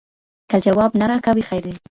که جواب نه راکوې خير دی